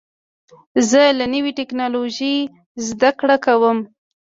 زه له نوې ټکنالوژۍ زده کړه کوم.